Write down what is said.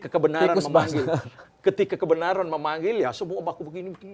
kebenaran memanggil ketika kebenaran memanggil ya semua baku begini begini